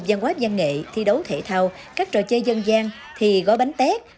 gian quá gian nghệ thi đấu thể thao các trò chơi dân gian thi gói bánh tét